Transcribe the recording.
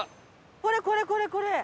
これこれこれこれ！